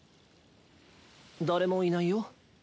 誰もいないよ。